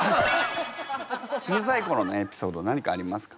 小さいころのエピソード何かありますか？